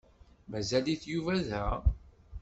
Mazal-it Yuba da?